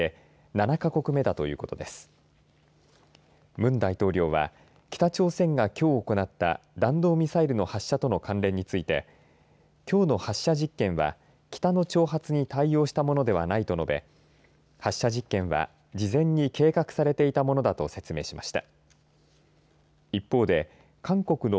ムン大統領は北朝鮮がきょう行った弾道ミサイルの発射との関連についてきょうの発射実験は北の挑発に対応したものではないと述べ発射実験は事前に計画されていたものだと説明しました。